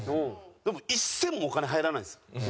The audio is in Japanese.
でも一銭もお金入らないんですよ。